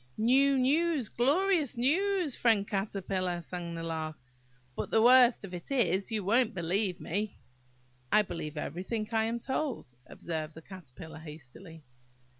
"New, news, glorious news, friend Caterpillar!" sang the Lark; "but the worst of it is, you won't believe me!" "I believe everything I am told," observed the Caterpillar hastily.